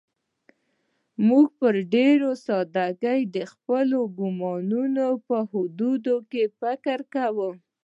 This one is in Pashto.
موږ په ډېره سادهګۍ د خپلو ګومانونو په حدودو کې فکر کوو.